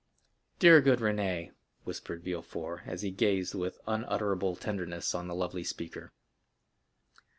"Dear, good Renée," whispered Villefort, as he gazed with unutterable tenderness on the lovely speaker.